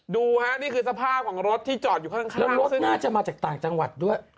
ดูฮะนี่คือสภาพของรถที่จอดอยู่ข้างแล้วรถน่าจะมาจากต่างจังหวัดด้วย